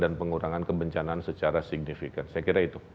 dan pengurangan kebencanaan secara signifikan saya kira itu